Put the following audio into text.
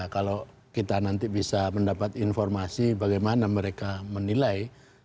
kalau kita nanti bisa mendapat informasi bagaimana mereka menilai